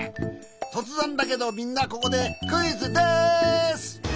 とつぜんだけどみんなここでクイズです！